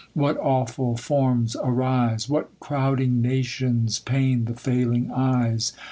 What awful forms arise ! What crowding nations pain the failing eyes